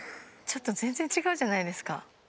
ちょっと全然違うじゃないですか。